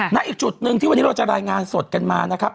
อีกจุดหนึ่งที่วันนี้เราจะรายงานสดกันมานะครับ